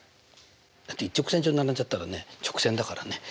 だって一直線上に並んじゃったらね直線だからね。